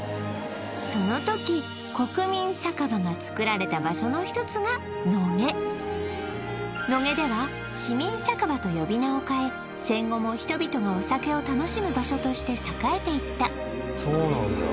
その時国民酒場がつくられた場所のひとつが野毛野毛では市民酒場と呼び名を変え戦後も人々がお酒を楽しむ場所として栄えていったそうなんだ